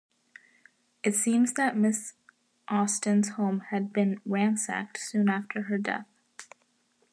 It seems that Ms. Austin's home had been ransacked soon after her death.